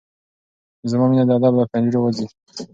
زما مينه د ادب له پنجرو وځي